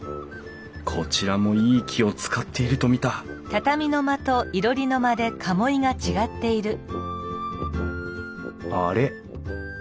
こちらもいい木を使っていると見たあれ？